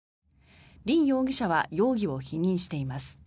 リン容疑者は容疑を否認しています。